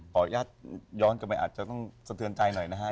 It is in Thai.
ขออนุญาตย้อนกลับไปอาจจะต้องสะเทือนใจหน่อยนะฮะ